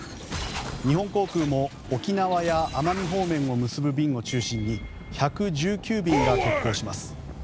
日本航空も沖縄や奄美方面を結ぶ便を中心に１１９便が欠航します。